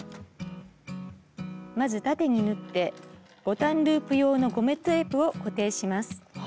まず縦に縫ってボタンループ用のゴムテープを固定します。